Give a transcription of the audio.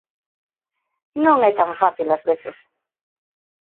Non é tan fácil ás veces.